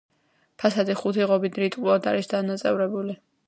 ფასადი ხუთი ღობით რიტმულად არის დანაწევრებული.